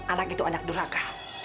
anak itu anak durhaka